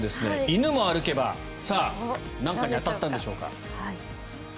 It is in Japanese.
犬も歩けばさあ、何かに当たったんでしょうか。